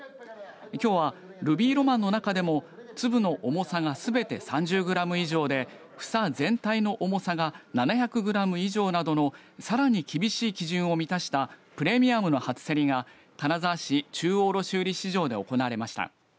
きょうはルビーロマンの中でも粒の重さがすべて３０グラム以上で房全体の重さが７００グラム以上などのさらに厳しい基準を満たしたプレミアムの初競りが金沢市中央卸売市場で始まりました。